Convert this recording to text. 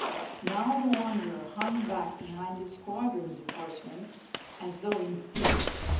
Now the Wanderer hung back behind the squadrons of horsemen as though in fear.